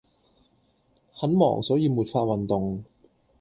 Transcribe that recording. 很忙所以沒法運動。